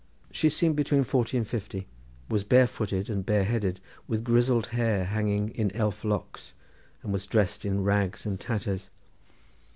She seemed between forty and fifty, was bare footed and bare headed, with grizzled hair hanging in elf locks, and was dressed in rags and tatters.